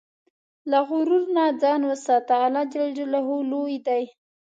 له غرور نه ځان وساته، الله لوی دی.